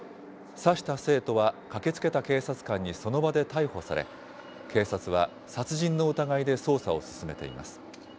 刺した生徒は、駆けつけた警察官にその場で逮捕され、警察は殺人の疑いで捜査を進めています。